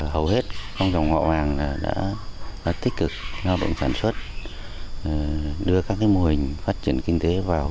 hầu hết trong dòng họ vàng đã tích cực lao động sản xuất đưa các mô hình phát triển kinh tế vào